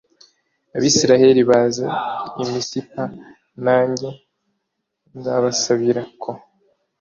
abisirayeli baze i misipa nanjye nzabasabira k